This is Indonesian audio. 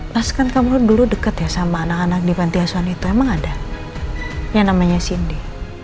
mas kan kamu dulu deket ya sama anak anak di pantai asuhan itu emang ada yang namanya sindi